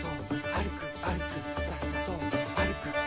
「あるくあるくスタスタと」